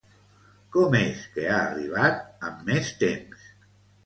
Com és que ha arribat amb més temps?